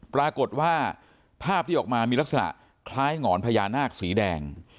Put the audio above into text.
ปรากฏว่าภาพที่ออกมามีลักษณะคล้ายหงอนพญานาคสีแดง